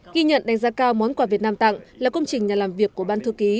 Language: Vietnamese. ghi nhận đánh giá cao món quà việt nam tặng là công trình nhà làm việc của ban thư ký